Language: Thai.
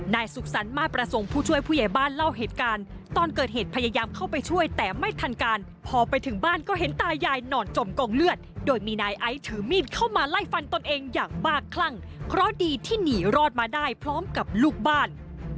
นายสุขสรรค์มาประสงค์ผู้ช่วยผู้ใหญ่บ้านเล่าเหตุการณ์ตอนเกิดเหตุพยายามเข้าไปช่วยแต่ไม่ทันการพอไปถึงบ้านก็เห็นตายายนอนจมกองเลือดโดยมีนายไอซ์ถือมีดเข้ามาไล่ฟันตนเองอย่างบ้าคลั่งเพราะดีที่หนีรอดมาได้พร้อมกับลูกบ้าน